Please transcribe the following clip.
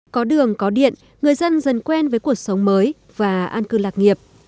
có đường có điện người dân dần quen với cuộc sống mới và an cư lạc nghiệp